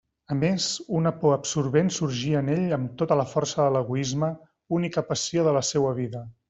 A més, una por absorbent sorgia en ell amb tota la força de l'egoisme, única passió de la seua vida.